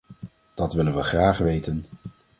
Dat willen we graag weten.